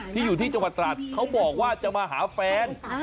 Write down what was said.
อยู่ที่จังหวัดตราดเขาบอกว่าจะมาหาแฟน